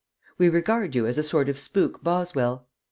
We regard you as a sort of spook Boswell.